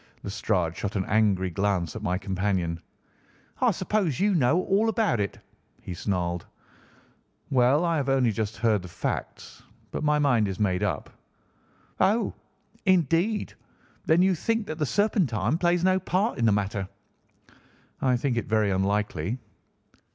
Lestrade shot an angry glance at my companion. "I suppose you know all about it," he snarled. "Well, I have only just heard the facts, but my mind is made up." "Oh, indeed! Then you think that the Serpentine plays no part in the matter?" "I think it very unlikely."